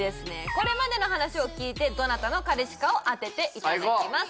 これまでの話を聞いてどなたの彼氏かを当てていただきます